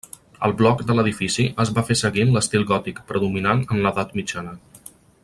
El bloc de l'edifici es va fer seguint l'estil gòtic predominant en l'Edat mitjana.